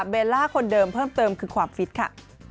เบลล่าคนเดิมเพิ่มเติมคือความฟิตค่ะ